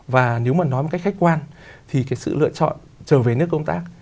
và nếu mà nói một cách khách quan thì cái sự lựa chọn trở về nước công tác